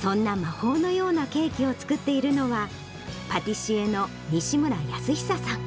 そんな魔法のようなケーキを作っているのは、パティシエの西村泰久さん。